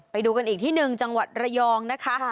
ไปดูกันอีกที่หนึ่งจังหวัดระยองนะคะ